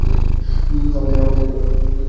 আমাদের ঘরটা বড্ড ছোট।